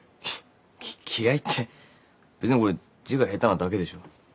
きっ気合って別にこれ字が下手なだけでしょ。